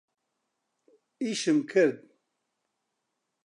ئیشم کرد.